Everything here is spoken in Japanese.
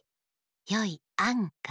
よい「あん」が「かけ」